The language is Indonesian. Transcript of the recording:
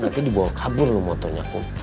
nanti dibawa kabur loh motornya pun